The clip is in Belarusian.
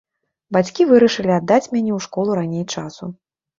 Бацькі вырашылі аддаць мяне ў школу раней часу.